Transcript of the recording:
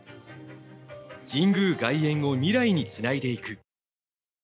神宮外苑を未来につないでいく。